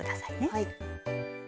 はい。